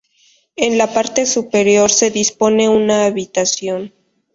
En la parte superior, se dispone una habitación.